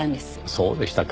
そうでしたか。